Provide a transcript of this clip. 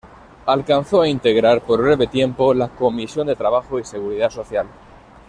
Alcanzó a integrar, por breve tiempo, la Comisión de Trabajo y Seguridad Social.